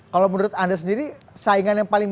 kalau menurut anda sendiri saingan yang paling